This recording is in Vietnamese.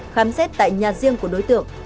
khám xét tại nhà riêng của đối tượng